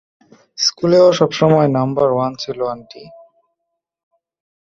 স্কুলেও সবসময় number one ছিলো, আন্টি!